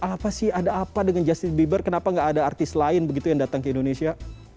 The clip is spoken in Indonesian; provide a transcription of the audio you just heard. apa sih ada apa dengan justin bieber kenapa nggak ada artis lain begitu yang datang ke indonesia